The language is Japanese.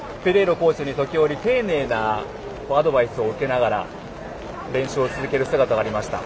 コーチに丁寧なアドバイスを受け練習を続ける姿がありました。